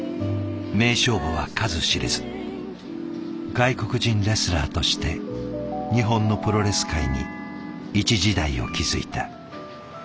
外国人レスラーとして日本のプロレス界に一時代を築いた。